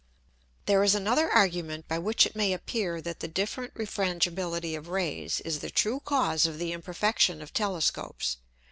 There is another Argument by which it may appear that the different Refrangibility of Rays, is the true cause of the imperfection of Telescopes.